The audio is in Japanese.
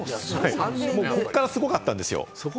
こっからすごかったんですよ。